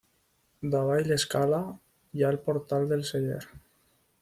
Davall l'escala, hi ha el portal del celler.